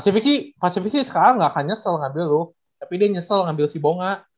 iya pasifik sih sekarang gak akan nyesel ngambil tuh tapi dia nyesel ngambil si bonga